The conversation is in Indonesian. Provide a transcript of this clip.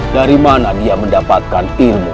dari mana dia mendapatkan ilmu